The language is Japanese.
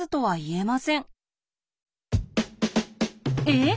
えっ？